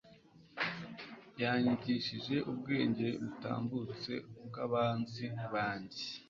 yanyigishije ubwenge butambutse ubw'abanzi banjye